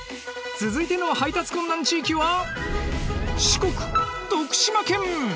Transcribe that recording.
続いての配達困難地域は四国徳島県！